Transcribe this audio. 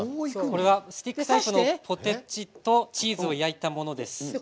これはスティックタイプの「ポテチー」とチーズを焼いたものです。